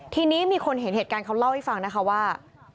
ทีนี้มีคนเห็นเหตุการณ์เขาเล่าให้ฟังนะคะว่า